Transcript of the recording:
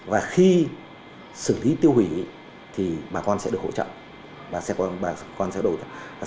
và khi xử lý tiêu hủy thì bà con sẽ được hỗ trợ